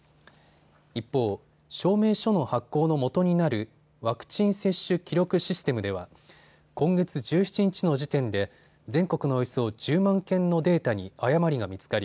一方、証明書の発行のもとになるワクチン接種記録システムでは今月１７日の時点で全国のおよそ１０万件のデータに誤りが見つかり